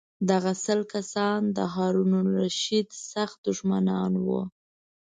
دغه سل کسان د هارون الرشید سخت دښمنان وو.